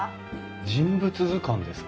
人物図鑑ですか？